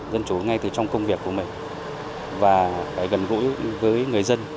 dân chủ ngay từ trong công việc của mình và phải gần gũi với người dân